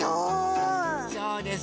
そうです。